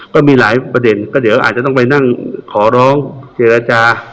ก็มีหลายประเด็นก็เดี๋ยวอาจจะต้องไปนั่งขอร้องเจรจา